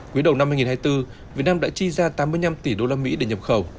cuối đầu năm hai nghìn hai mươi bốn việt nam đã chi ra tám mươi năm tỷ đô la mỹ để nhập khẩu